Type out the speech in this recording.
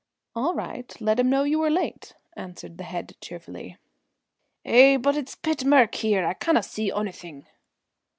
"All right, let him know you were late," answered the head cheerfully. "Eh, but it's pit mirk, here. I canna see onything."